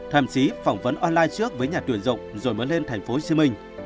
thậm chí phỏng vấn online trước với nhà tuyển dụng rồi mới lên tp hcm